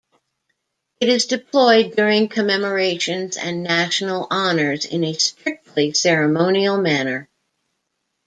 It is deployed during commemorations and national honors in a strictly ceremonial manner.